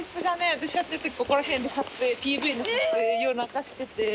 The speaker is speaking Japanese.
私やってるときここら辺でＰＶの撮影夜中してて。